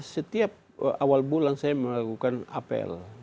setiap awal bulan saya melakukan apel